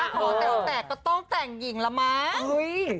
หอแต่งแตกก็ต้องแต่งหญิงละมั้ง